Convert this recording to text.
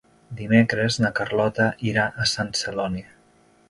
Dimecres na Carlota irà a Sant Celoni.